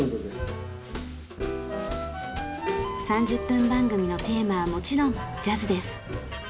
３０分番組のテーマはもちろんジャズです。